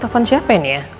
telepon siapa ini ya